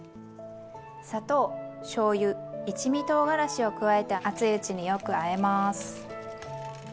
砂糖しょうゆ一味とうがらしを加えて熱いうちによくあえます。